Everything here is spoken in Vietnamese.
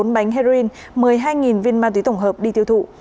bốn bánh heroin một mươi hai viên ma túy tổng hợp đi tiêu thụ